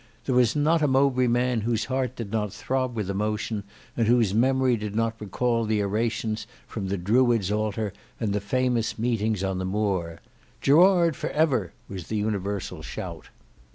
There was not a Mowbray man whose heart did not throb with emotion, and whose memory did not recall the orations from the Druid's altar and the famous meetings on the moor. "Gerard for ever" was the universal shout.